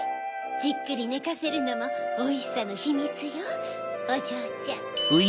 じっくりねかせるのもおいしさのひみつよおじょうちゃん。